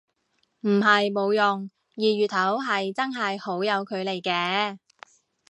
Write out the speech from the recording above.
唔係冇用，二月頭係真係好有距離嘅